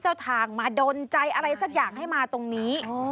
เจ้าทางมาดนใจอะไรสักอย่างให้มาตรงนี้